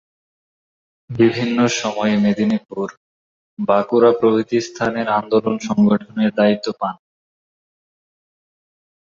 বিভিন্ন সময়ে মেদিনীপুর, বাঁকুড়া প্রভৃতি স্থানের আন্দোলন সংগঠনের দায়িত্ব পান।